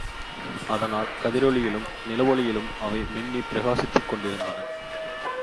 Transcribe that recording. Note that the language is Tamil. அதனால் கதிரோளியிலும் நிலவொளியிலும் அவை மின்னிப் பிரகாசித்துக்கொண்டிருந்தன.